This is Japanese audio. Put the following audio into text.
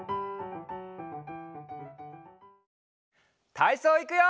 たいそういくよ！